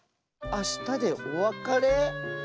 あしたでおわかれ？